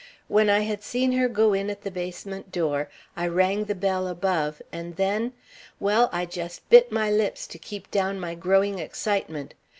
When I had seen her go in at the basement door, I rang the bell above, and then well, I just bit my lips to keep down my growing excitement.